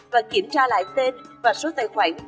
và kiểm tra lại tên và số tài khoản